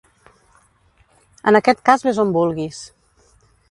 En aquest cas, ves on vulguis.